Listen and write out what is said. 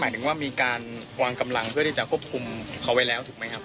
ฝงฝาทัดย้าย